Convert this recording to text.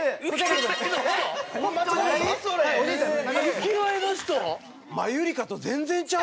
浮世絵の人？